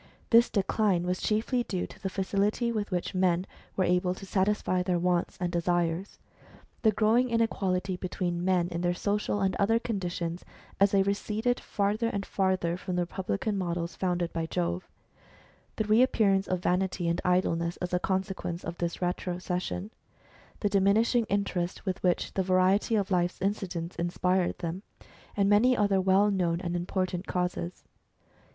This decline was chiefly due to the facility with which men were able to satisfy their wants and desires ; the growing inequality between men in their 8 HISTORY OF THE HUMAN RACE. social and other conditions, as they receded farther and farther from the republican models founded by Jove ; the reappearance of vanity and idleness as a consequence of this retrocession ; the diminishing interest with which the variety of life's incidents inspired them ; and many other well known and important causes.